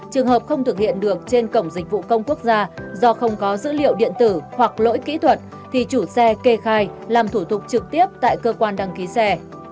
trường hợp không thực hiện được trên cổng dịch vụ công quốc gia do không có dữ liệu điện tử hoặc lỗi kỹ thuật thì chủ xe kê khai làm thủ tục trực tiếp tại cơ quan đăng ký xe